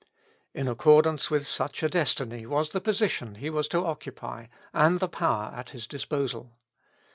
In accordance with such a destiny was the position he was to occupy, and the power at his disposal.